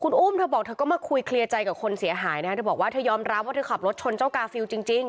อุ้มเธอบอกเธอก็มาคุยเคลียร์ใจกับคนเสียหายนะเธอบอกว่าเธอยอมรับว่าเธอขับรถชนเจ้ากาฟิลจริง